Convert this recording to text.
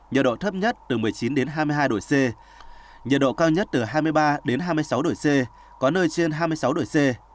nhiệt độ thấp nhất từ một mươi chín đến hai mươi hai độ c nhiệt độ cao nhất từ hai mươi ba đến hai mươi sáu độ c có nơi trên hai mươi sáu độ c